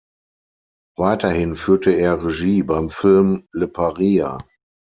Weiterhin führte er Regie beim Film "Le Paria".